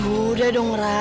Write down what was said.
udah dong ra